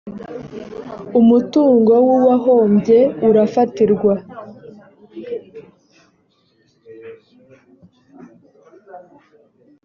umutungo w’uwahombye urafatirwa.